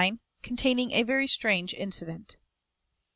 _Containing a very strange incident.